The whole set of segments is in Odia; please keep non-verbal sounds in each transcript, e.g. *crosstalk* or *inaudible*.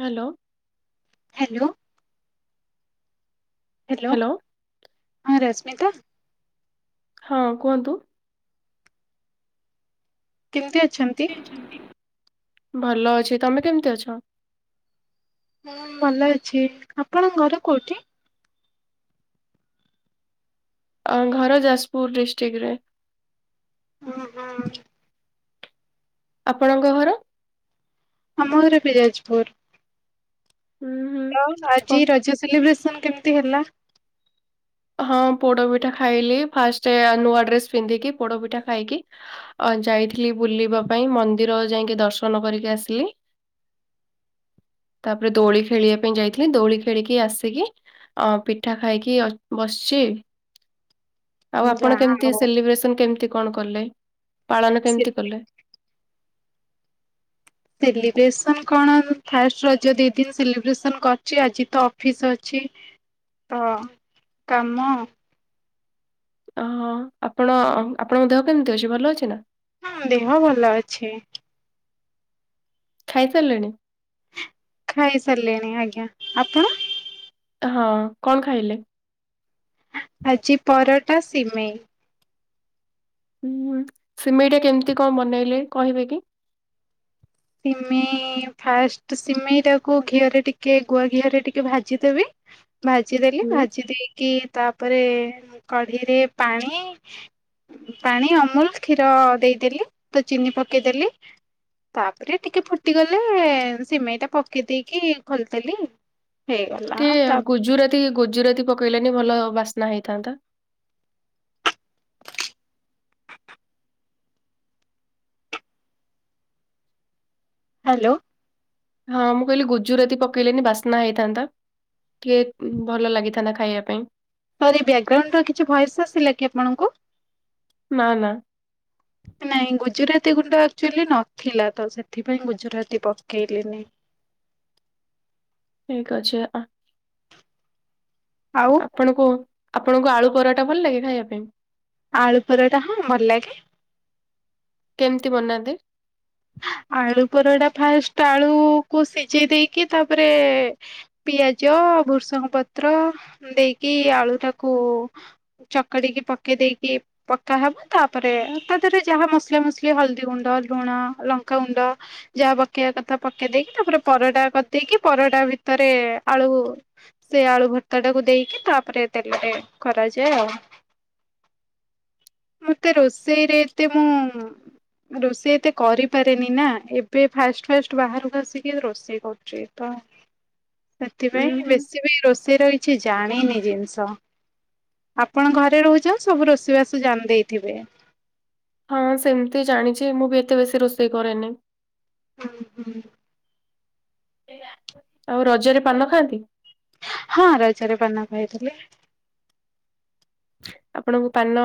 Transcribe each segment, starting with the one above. ହ୍ୟାଲୋ। ହ୍ୟାଲୋ। ହ୍ୟାଲୋ ହଁ ରଶ୍ମିତା। ହଁ କୁହନ୍ତୁ। କେମିତି ଅଛୁ? *unintelligible* ଭଲ ଅଛି ତମେ କେମତି ଅଛ? ମୁଁ ମନେ ଅଛି ଆପଣ ଘର କେଉଁଠି? ଆ ଘର ଯାଜପୁର ଡିଷ୍ଟ୍ରିକ୍ଟ ରେ। ହୁଁ ହୁଁ। ଆପଣଙ୍କ ଘର। ଆମ ଘର ବି ଯାଜପୁର। ହୁଁ ହୁଁ। ଆଉ ଆଜି କ- ରଜ ସେଲିବ୍ରେସନ୍ କେମିତି ହେଲା। ହଁ ପୋଡପିଠା ଖାଇଲି। ଫାଷ୍ଟ, ନୂଆ ଡ୍ରେସ୍ ପିନ୍ଧିକି ପୋଡ ପିଠା ଖାଇକି ଅ ଜାଇଥିଲି ବୁଲିବା ପାଇଁ, ମନ୍ଦିର ଜାଇକି ଦର୍ଶନ କରିକି ଆସିଲି। *unintelligible* ତାପରେ ଦୋଳି ଖେଳିବା ପାଇଁ ଜାଇଥିଲି। ଦୋଳି ଖେଳିକି ଆସିକି ଅ ପିଠା ଖାଇକି ଅ ବସିଛି। ଆଉ ଆପଣ ଯାହା କେମତି ହଉ ସେଲିବ୍ରେସନ୍, କେମିତି କଣ କଲେ ପାଳନ ସେ କେମିତି କଲେ? ସେଲିବ୍ରେସନ୍ କଣ? ଫାଷ୍ଟ ରଜ ଦି ଦିନ ସେଲିବ୍ରେସନ୍ କରିଛି। ଆଜି ତ ଅଫିସ୍ ଅଛି। ତ କାମ ଓହୋ, ଆପଣ ଆପଣଙ୍କ ଦେହ କେମିତି ଅଛି? ଭଲ ଅଛି ନା! ହଁ ଦେହ ଭଲ ଅଛି। ଖାଇ ସାରିଲେଣି? ଖାଇ ସାରିଲିଣି। ଆଜ୍ଞା, ଆପଣ ହଁ, କଣ ଖାଇଲେ? ଆଜି ପରଟା ସିମେଇ। ହୁଁ, ସିମେଇଟା କେମିତି କଣ ବନେଇଲେ? କହିବେ କି? ସିମେଇ! ଫାଷ୍ଟ ସିମେଇଟାକୁ ଘିଅରେ ଟିକେ ଗୁଆ ଘିଅରେ ଟିକେ ଭାଜିଦେବେ। ଭାଜିଦେଲି, ହୁଁ ଭାଜି ଦେଇକି ତାପରେ କଢ଼େଇ ରେ ପାଣି ପାଣି, ଅମୁଲ୍, କ୍ଷୀର ଦେଇଦେଲି। ତ ଚିନି ପକେଇଦେଲି। ତାପରେ ଟିକେ ଫୁଟିଗଲେ, ସିମେଇଟା ପକେଇ ଦେଇକି ଖୋଲିଦେଲି। ହେଇଗଲା ଟିକେ ତାପରେ ଗୁଜୁରାତି ଗୁଜୁରାତି ପକେଇଲୋନି ଭଲ ବାସ୍ନା ହେଇଥାନ୍ତା। ହାଲୋ! ହଁ, ମୁଁ କହିଲି ଗୁଜୁରାତି ପକେଇଲେନି ବାସ୍ନା ହେଇଥାନ୍ତା। କେ ଭଲ ଲାଗିଥାନ୍ତା ଖାଇବା ପାଇଁ। ସରି, ବ୍ୟାକଗ୍ରାଉଣ୍ଡର କିଛି ଭଏସ୍ ଆସିଲା କି ଆପଣଙ୍କୁ? ନାଁ ନାଁ। ନାଇଁ ଗୁଜୁରାତି ଗୁଣ୍ଡ ଆକ୍ଟୁଆଲି ନଥିଲା ତ ସେଥିପାଇଁ ଗୁଜୁରାତି ପକେଇଲିନି। ଠିକ୍ ଅଛି। ଆ ଆଉ ଆପଣଙ୍କୁ, ଆପଣଙ୍କୁ ଆଳୁ ପରଟା ଭଲ ଲାଗେ ଖାଇବା ପାଇଁ? ଆଳୁ ପରଟା, ହଁ ଭଲ ଲାଗେ। କେମିତି ବନାନ୍ତି? ଆଳୁ ପରଟା, ଫାଷ୍ଟ ଆଳୁକୁ ସିଝେଇ ଦେଇକି ତାପରେ ପିଆଜ, ଭୃସଙ୍ଗ ପତ୍ର ଦେଇକି ଆଳୁଟାକୁ ଚକଡିକି ପକେଇ ଦେଇକି ପକ୍କା ହବ। ତାପରେ ତା ଦେହରେ ଜାହା ମସଲା ମସଲି ହଳଦୀ ଗୁଣ୍ଡ, ଲୁଣ ଲଙ୍କା ଗୁଣ୍ଡ ଜାହା ପକେଇବା କଥା ପକେଇ ଦେଇକି, ତାପରେ ପରଟା କରିଦେଇକି ପରଟା ଭିତରେ ଆଳୁ ସେ ଆଳୁ ଭର୍ତ୍ତା ଟାକୁ ଦେଇକି, ତାପରେ ତେଲରେ କରାଯାଏ ଆଉ। ମତେ ରୋଷେଇରେ ଏତେ ମୁଁ, ରୋଷେଇ ଏତେ କରିପାରେନି ନା, ଏବେ ଫାଷ୍ଟ ଫାଷ୍ଟ ବାହାରକୁ ଆସିକି ରୋଷେଇ କରୁଛି। ତ ଉୁଁ ସେଥିପାଇଁ ହୁଁ ବେସିବି ରୋଷେଇର କିଛି ଜାଣିନି ଜିନିଷ। ଆପଣ ଘରେ ରହୁଛ, ସବୁ ରୋଷେଇବାସ ଜାଣି ଦେଇଥିବେ। ହଁ ସେମିତି ଜାଣିଛି ମୁଁ ବି ଏତେ ବେଶୀ ରୋଷେଇ କରେନି। ହୁଁ ହୁଁ। ଆଉ ରଜରେ ପାନ ଖାଆନ୍ତି? ହଁ ରଜରେ ପାନ ଖାଇଥିଲି। ଆପଣଙ୍କୁ ପାନ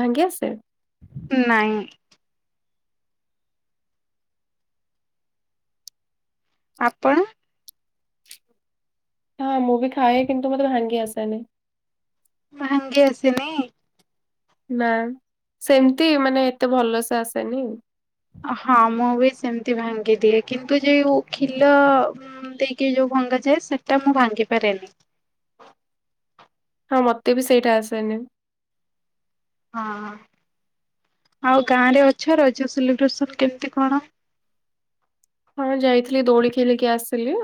ଭାଙ୍ଗି ଆସେ? ନାଇଁ। ଆପଣ? ହଁ ମୁଁ ବି ଖାଏ କିନ୍ତୁ ମତେ ଭାଙ୍ଗି ଆସେନି। ଭାଙ୍ଗି ଆସିନି। ନା ସେମତି ମାନେ ଏତେ ଭଲସେ ଆସେନି ଆଉ। ହଁ ମୁଁ ବି ସେମିତି ଭାଙ୍ଗିଦିଏ କିନ୍ତୁ ଯୋଉ ଖିଲ ଦେଇକି ଯୋଉ ଭଙ୍ଗାଯାଏ ସେଟା ମୁଁ ଭାଙ୍ଗି ପାରେନି। ହଁ ମତେ ବି ସେଇଟା ଆସେନି। ହଁ ଆଉ ଗାଁ ରେ ଅଛ ରଜ ସେଲିବ୍ରେସନ୍ କେମିତି କଣ? ହଁ ଯାଇଥିଲି ଦୋଳି ଖେଳିକି ଆସିଲି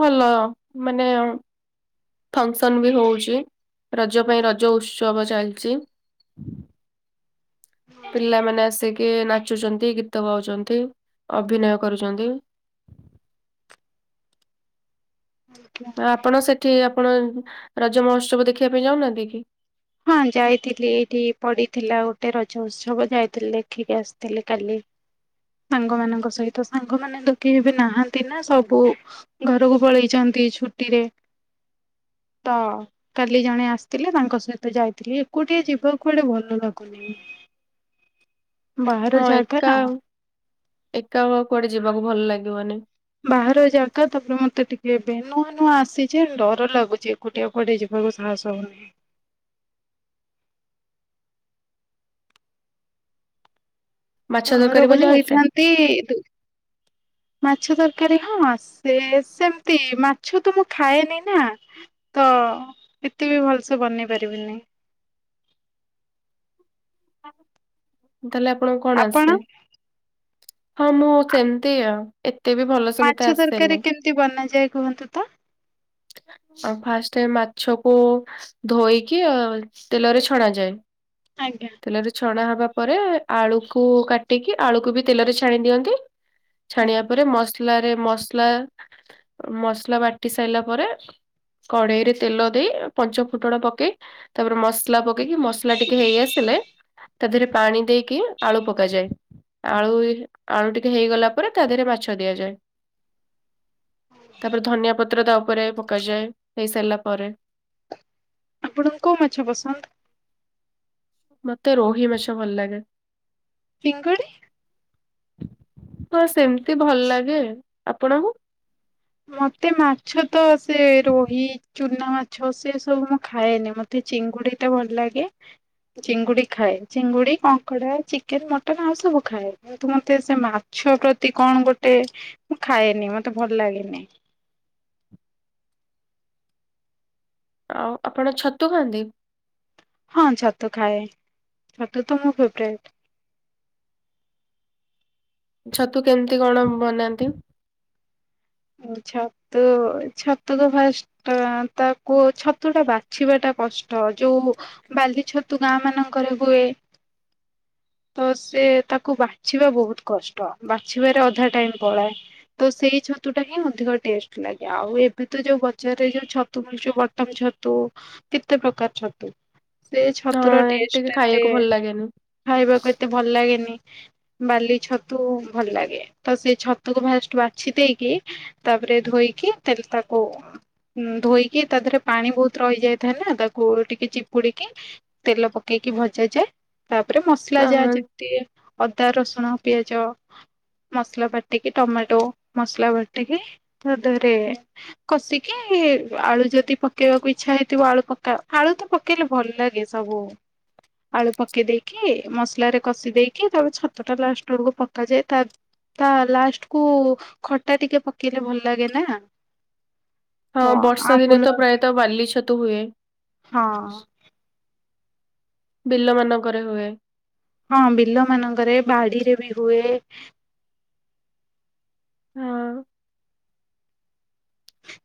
ଭଲ ମାନେ ଫଙ୍କସନ୍ ବି ହଉଛି ରଜ ପାଇଁ ରଜ ଉତ୍ସବ ଚାଲିଛି। ପିଲାମାନେ ଆସିକି ନାଚୁଛନ୍ତି, ଗୀତ ଗାଉଛନ୍ତି ଅଭିନୟ କରୁଛନ୍ତି। ଆପଣ ସେଠି ଆପଣ ରଜ ମହୋତ୍ସବ ଦେଖିବା ପାଇଁ ଯାଉନାହାନ୍ତି କି? ହଁ ଯାଇଥିଲି ଏଇଠି ପଡିଥିଲା ଗୋଟେ ରଜ ଉତ୍ସବ ଯାଇଥିଲି ଦେଖିକି ଆସିଥିଲି କାଲି। ସାଙ୍ଗ ମାନଙ୍କ ସହିତ ସାଙ୍ଗ ମାନେ ତ କେହି ବି ନାହାନ୍ତି ନା ସବୁ ଘରକୁ ପଳେଇଚନ୍ତି ଛୁଟିରେ ତ କାଲି ଜଣେ ଆସିଥିଲେ ତାଙ୍କ ସହିତ ଯାଇଥିଲି ଏକୁଟିଆ ଯିବାକୁ କୁଆଡେ ଭଲ ଲାଗୁନି। *inaudible* ବାହାର ହଁ ଜାଗା ଏକା ନା ଏକା ଆଉ କୁଆଡେ ଯିବାକୁ ଭଲ ଲାଗିବନି। ବାହାର ଜାଗା ତାପରେ ମତେ ଟିକେ ଏବେ ନୂଆ ନୂଆ ଆସିଛି ଡର ଲାଗୁଛି। ଏକୁଟିଆ କୁଆଡେ ଯିବାକୁ ସାହସ ହଉନି। ମାଛ ତରକାରୀ ଘରକୁ ବନେଇ ଆସେ? ଯାଇଥାନ୍ତି ମାଛ ତରକାରୀ ହଁ ସେ ସେମତି ମାଛ ତ ମୁଁ ଖାଏନି ନା। ତ ଏତେ ବି ଭଲସେ ବନେଇ ପାରିବିନି। ତାହେଲେ ଆପଣଙ୍କୁ କଣ ଆପଣ ଆସେ? ହଁ ମୁଁ ସେମିତି ଆଉ। ଏତେ ବି ଭଲ ସେ ମତେ ମାଛ ତରକାରୀ ଆସେନି। କେମିତି ବନାଯାଏ କୁହନ୍ତୁ ତ? ଆଉ ଫାଷ୍ଟେ ମାଛକୁ ଧୋଇକି ତେଲରେ ଛଣା ଯାଏ। ଆଜ୍ଞା। ତେଲରେ ଛଣା ହବା ପରେ ଆଳୁକୁ କାଟିକି ଆଳୁକୁ ବି ତେଲରେ ଛାଣି ଦିଅନ୍ତି। ଆଜ୍ଞା। ଛାଣିବା ପରେ ମସଲାରେ ମସଲା ମସଲା ବାଟି ସାଇଲା ପରେ କଡେଇ ରେ ତେଲ ଦେଇ ପଞ୍ଚ ଫୁଟଣ ପକେଇ ତାପରେ ମସ ମସଲା ପକେଇକି ମସଲା ଟିକେ ହେଇ ଆସିଲେ ତା ଦେହରେ ପାଣି ଦେଇକି ଆଳୁ ପକାଯାଏ। ଆଳୁ ଆଳୁ ଟିକେ ହେଇଗଲା ପରେ ତା ଦେହରେ ମାଛ ଦିଆଯାଏ। ତାପରେ ଧନିଆ ପତ୍ର ତା ଉପରେ ପକାଯାଏ ହେଇସାରିଲା ପରେ। ଆପଣଙ୍କୁ କୋଉ ମାଛ ପସନ୍ଦ? ମତେ ରୋହି ମାଛ ଭଲ ଲାଗେ। ଚିଙ୍ଗୁଡି? ହଁ ସେମିତି ଭଲ ଲାଗେ ଆପଣଙ୍କୁ? ମତେ ମାଛ ତ ସେ ରୋହି ଚୁନା ମାଛ ସେ ସବୁ ମୁଁ ଖାଏନି ମତେ ଚିଙ୍ଗୁଡିଟା ଭଲ ଲାଗେ। ଚିଙ୍ଗୁଡି ଖାଏ, ଚିଙ୍ଗୁଡି, କଙ୍କଡା, ଚିକେନ, ମଟନ ଆଉ ସବୁ ଖାଏ। କିନ୍ତୁ ମତେ ସେ ମାଛ ପ୍ରତି କଣ ଗୋଟେ ମୁଁ ଖାଏନି ମତେ ଭଲ ଲାଗେନି। ଆଉ ଆପଣ ଛତୁ ଖାଆନ୍ତି? ହଁ ଛତୁ ଖାଏ, ଛତୁ ତ ମୋ ଫେବରାଇଟ। ଛତୁ କେମିତି କଣ ବନାନ୍ତି? ଛତୁ ଛତୁ ତ ଫାଷ୍ଟ ଆ ତାକୁ ଛତୁ ଟା ବାଛିବାଟା କଷ୍ଟ ଯୋଉ ବାଲି ଛତୁ ଗାଁ ମାନଙ୍କରେ ହୁଏ, ତ ସେ ତାକୁ ବାଛିବା ବହୁତ କଷ୍ଟ ବାଛିବାରେ ଅଧା ଟାଇମ ପଳାଏ। ତ ସେଇ ଛତୁ ଛତୁଟା ହିଁ ଅଧିକ ଟେଷ୍ଟ ଲାଗେ ଆଉ ଏବେ ତ ଯୋଉ ବଜାରରେ ଯୋଉ ଛତୁ ମିଳୁଛି ବଟମ ଛତୁ କେତେ ପ୍ରକାର ଛତୁ, ସେ ଛତୁର ହଁ ଟିକେ ଟେଷ୍ଟ୍ ଏତେ ଖାଇବାକୁ ଭଲ ଲାଗେନି ଖାଇବାକୁ ଏତେ ଭଲ ଲାଗେନି ବାଲି ଛତୁ ଭଲ ଲାଗେ, ତ ସେ ଛତୁକୁ ଫାଷ୍ଟ ବାଛିଦେଇ ଦେଇକି ତାପରେ ଧୋଇକି ତେଲ ତାକୁ ଧୋଇକି ତା ଦେହରେ ପାଣି ବହୁତ ରହି ଯାଇଥାଏ ନା ତାକୁ ଟିକେ ଚିପୁଡିକି ତେଲ ପକେଇକି ଭଜା ଯାଏ ତାପରେ ମସଲା ଯାହା ହଁ। ଯେମିତି ଟିକେ ଅଦା, ରସୁଣ, ପିଆଜ, ମସଲା ବାଟିକି ଟମାଟୋ ମସଲା ବାଟିକ ତା ଦିହରେ କଷିକି ଆଳୁ ଯଦି ପକେଇବାକୁ ଇଚ୍ଛା ହେଇଥିବ ଆଳୁ ପକା ଆଳୁ ତ ପ ପକେଇଲେ ଭଲ ଲାଗେ ସବୁ। ଆଳୁ ପକେଇଦେଇକି ମସଲାରେ କଷି ଦେଇକି ତାପରେ ଛତୁଟା ଲାଷ୍ଟ ବେଳକୁ ପକାଯାଏ ତ ତା ଲାଷ୍ଟକୁ ଖଟା ଟିକେ ପକେଇଲେ ଭଲ ଲାଗେ ନା? ତ ହଁ, ବର୍ଷା ଦିନେ ଆମ୍ବୁଲ ତ ପ୍ରାୟତଃ ବାଲି ଛତୁ ହୁଏ। ହଁ। ବିଲ ମାନଙ୍କରେ ହୁଏ। ହଁ ବିଲ ମାନଙ୍କରେ ବାଡିରେ ବି ହୁଏ। ହଁ।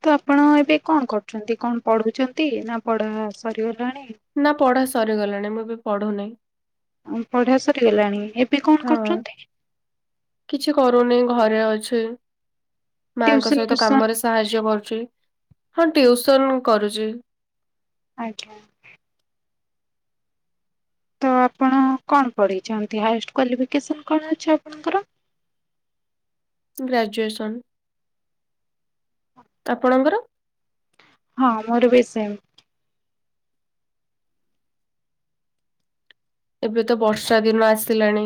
ତ ଆପଣ ଏବେ କଣ କରୁଛନ୍ତି, କଣ ପଢୁଛନ୍ତି ନା ପଢା ସରିଗଲାଣି? ନା ପଢା ସରିଗଲାଣି ମୁଁ ଏବେ ପଢୁନି। ପଢ଼ା ସରିଗଲାଣି ଏବେ କଣ ହଁ। କରୁଛନ୍ତି? କିଛି କରୁନି ଘରେ ଅଛି। ମାଙ୍କ ଟିଉସନ ସହିତ ଫିଉସନ କାମରେ ସାହାଯ୍ୟ କରୁଛି ହଁ ଟିଉସନ୍ କରୁଛି। ଆଜ୍ଞା। ତ ଆପଣ କଣ ପଢ଼ିଛନ୍ତି ହାଏଷ୍ଟ କ୍ଵାଲିଫିକେସନ୍ କଣ ଅଛି ଆପଣଙ୍କର? ଗ୍ରାଜୁଏସନ, ଆପଣଙ୍କର? ହଁ ମୋର ବି ସେମ୍। ଏବେ ତ ବର୍ଷା ଦିନ ଆସିଲାଣି,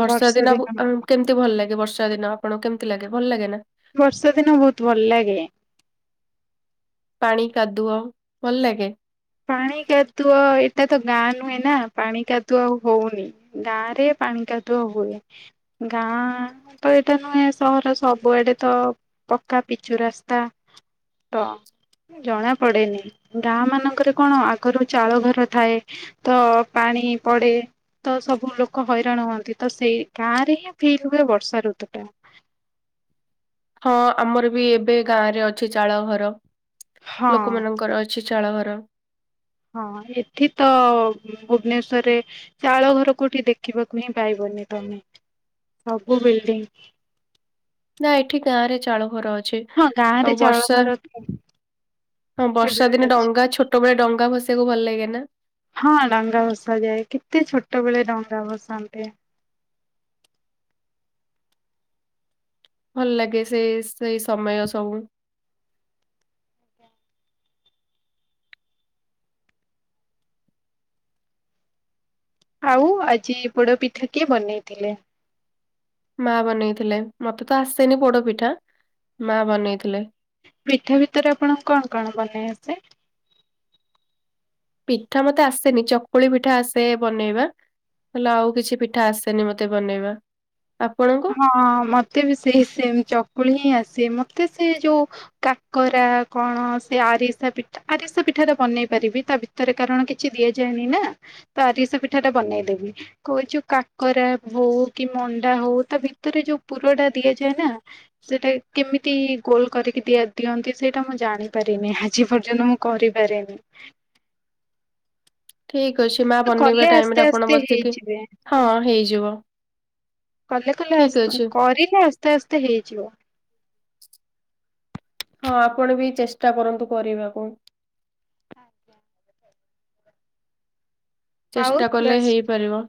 ବର୍ଷା ଦିନ *unintelligible* କେମିତି ଭଲ ଲାଗେ ବର୍ଷା ଦିନ ଆପଣଙ୍କୁ କେମିତି ଲାଗେ ଭଲ ଲାଗେ ନା? ବର୍ଷା ଦିନ ବହୁତ ଭଲ ଲାଗେ। ପାଣି କାଦୁଅ ଭଲ ଲାଗେ। ପାଣି କାଦୁଅ ଏଇଟା ତ ଗାଁ ନୁହେଁ ନା ପାଣି କାଦୁଅ ଆଉ ହଉନି। ଗାଁ ରେ ପାଣି କାଦୁଅ ହୁଏ। ଗାଁ ତ ଏଇଟା ନୁହେଁ ସହର ସବୁଆଡ଼େ ତ ପକ୍କା ପିଚୁ ରାସ୍ତା। ତ ଜଣା ପଡେନି ଗାଁ ମାନଙ୍କରେ କଣ ଆଗରୁ ଚାଳ ଘର ଥାଏ ତ ପାଣି ପଡେ ତ ସବୁ ଲୋକ ହଇରାଣ ହୁଅନ୍ତି ତ ସେଇ ଗାଁ ରେ ହିଁ ଫିଲ୍ ହୁଏ ବର୍ଷା ଋତୁ ଟା। ହଁ ଆମର ବି ଏବେ ଗାଁ ରେ ଅଛି ଚାଳ ଘର ହଁ ଲୋକମାନଙ୍କର ଅଛି। ଅଛି ଚାଳ ଘର। ହଁ ଏଠି ତ ଭୁବନେଶ୍ଵରରେ ଚାଳ ଘର କୋଉଠି ଦେଖିବାକୁ ପାଇବନି ସବୁ ବିଲଡିଙ୍ଗ। ନା ଏଠି ଗାଁ ରେ ଚାଳ ଘର ଅଛି। ହଁ ଗାଁ ରେ ଆଉ ଚାଉଳ ବର୍ଷା ଘର ତ ହଁ ଏବେ ବର୍ଷା ବି ଦିନେ ଅଛି। ଡଙ୍ଗା ଛୋ ଛୋଟ ବେଳେ ଡଙ୍ଗା ଭସେଇଆକୁ ଭଲ ଲାଗେ ନା। ହଁ ଡଙ୍ଗା ଭସାଯାଏ କେତେ ଛୋଟ ବେଳେ ଡଙ୍ଗା ଭଶାନ୍ତି। ଭଲ ଲାଗେ ସେ ସେ ସମୟ ସବୁ। ଆଉ ଆଜି ପୋଡ ପିଠା କିଏ ବନେଇଥିଲେ? ମା ବନେଇଥିଲେ ମତେ ତ ଆସେନି ପୋଡ ପିଠା ମା ବନେଇଥିଲେ। ପିଠା ଭିତରେ ଆପଣଙ୍କୁ କଣ କଣ ବନେଇ ଆସେ? ପିଠା ମତେ ଆସେନି ଚକୁଳି ପିଠା ଆସେ ବନେଇବା। ହେଲେ ଆଉ କିଛି ପିଠା ଆସେନି ମତେ ବନେଇବା ଆପଣ ହଁ ମତେ ବି ସେଇ ସେମ ଚକୁଳି ହିଁ ଆସେ ମତେ ସେ ଯୋଉ କାକରା କଣ ସେ ଆରିସା ପି ଆରିଶା ପିଠାଟା ବନେଇ ପାରିବି ତା ଭିତରେ କାରଣ କିଛି ଦିଆ ଯାଏନି ନା। ଆରିସା ପିଠା ଟା ବନେଇ ଦେବି କହୁଚୁ କାକରା ହଉ କି ମଣ୍ଡା ହଉ ତା ଭିତରେ ଯୋଉ ପୁର ଟା ଦିଆଯାଏ ନା ସେଇଟା କେମିତି ଗୋଲ କରିକିି ଦିଆ ଦିଅନ୍ତି ସେଇଟା ମୁଁ ଜାଣିପାରିନି ଆଜି ପର୍ଯ୍ୟନ୍ତ ମୁଁ କରିପାରେନି। ହ *inaudible* ଠିକ ଅଛି ମା କଲେ ବନେଇବା ଟାଇମ ରେ ଆସ୍ତେ ଆପଣ ଆସ୍ତେ ବସିକି ହେଇଯିବେ ହଁ ହେଇଯିବ। କଲେ କଲେ ଠିକ୍ ଆ ଅଛି କରିଲେ ଆସ୍ତେ ଆସ୍ତେ ହେଇଯିବ। ହଁ ଆପଣ ବି ଚେଷ୍ଟା କରନ୍ତୁ କରିବାକୁ। ଆଜ୍ଞା *inaudible* ଆଉ ଚେଷ୍ଟା କଲେ ରସ୍ ହେଇପାରିବ।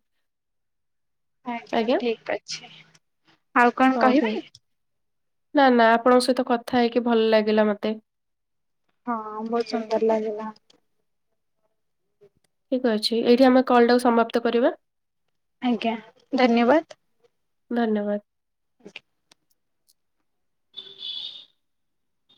ଆଜ୍ଞା ଠିକ ଅଛି ଆଉ କଣ ହଉ ଠିକ୍। କହିବେ? ନା ନା ଆପଣଙ୍କ ସହିତ କଥା ହେଇକି ଭଲ ଲାଗିଲା ମତେ। ହଁ ବହୁତ ସୁନ୍ଦର ଲାଗିଲା। ଠିକ୍ ଅଛି ଏଇଠି ଆମେ କଲ୍ ଟାକୁ ସମାପ୍ତ କରିବା। ଆଜ୍ଞା ଧନ୍ୟବାଦ। ଧନ୍ୟବାଦ। ହ *inaudible*